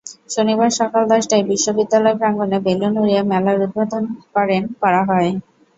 শনিবার সকাল দশটায় বিশ্ববিদ্যালয় প্রাঙ্গণে বেলুন উড়িয়ে মেলার উদ্বোধন করেন করা হয়।